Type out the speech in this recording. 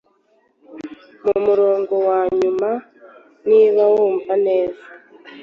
mumurongo wanyuma Niba Wumva neza